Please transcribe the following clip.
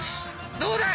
どうだい？